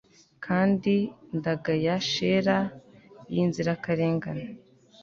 kandi ndagaya shela yinzirakarengane